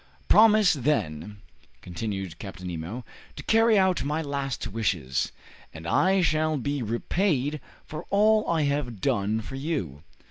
"Promise, then," continued Captain Nemo, "to carry out my last wishes, and I shall be repaid for all I have done for you."